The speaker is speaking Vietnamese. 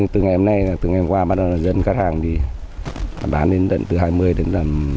từ ngày hôm nay từ ngày hôm qua bắt đầu là dân khách hàng đi bán đến từ hai mươi đến hai mươi năm